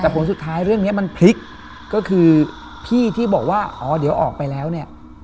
แต่ผลสุดท้ายเรื่องนี้มันพลิกก็คือพี่ที่บอกว่าอ๋อเดี๋ยวออกไปแล้วเนี่ย